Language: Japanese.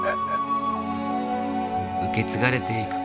受け継がれていく